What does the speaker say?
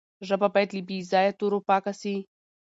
ژبه باید له بې ځایه تورو پاکه سي.